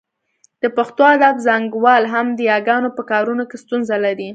د پښتو ادب څانګوال هم د یاګانو په کارونه کې ستونزه لري